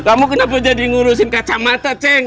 kamu kenapa jadi ngurusin kacamata ceng